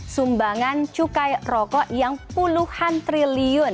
sumbangan cukai rokok yang puluhan triliun